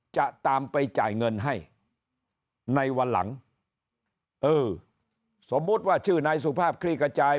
จะตามไปจ่ายเงินให้ในวันหลังเออสมมุติว่าชื่อนายสุภาพคลี่กระจาย